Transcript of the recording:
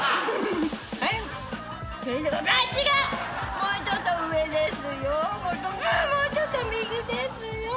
もうちょっと上です。